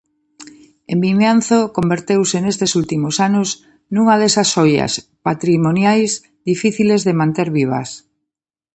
En Vimianzo converteuse nestes últimos anos nunha desas xoias patrimoniais difíciles de manter vivas.